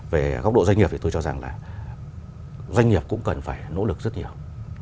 về góc độ doanh nghiệp thì tôi cho rằng là doanh nghiệp cũng cần phải nỗ lực rất nhiều